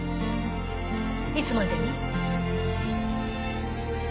いつまでに？